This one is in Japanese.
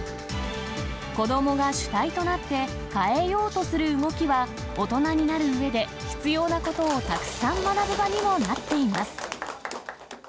子どもが主体となって変えようとする動きは、大人になるうえで、必要なことをたくさん学ぶ場にもなっています。